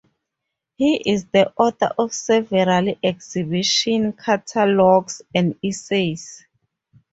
He is the author of several exhibition catalogues and essays.